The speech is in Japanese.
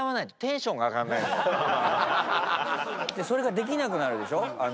それができなくなるでしょ。